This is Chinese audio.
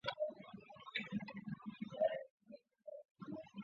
鄂西茶藨子为虎耳草科茶藨子属下的一个种。